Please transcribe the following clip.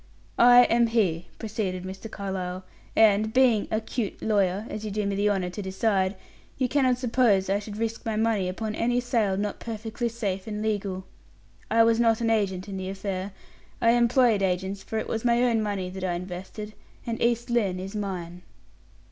"I am he," proceeded Mr. Carlyle; "and, being a 'cute lawyer,' as you do me the honor to decide, you cannot suppose I should risk my money upon any sale not perfectly safe and legal. I was not an agent in the affair; I employed agents; for it was my own money that I invested, and East Lynne is mine."